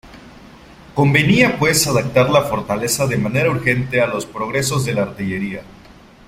Convenía pues adaptar la fortaleza de manera urgente a los progresos de la artillería.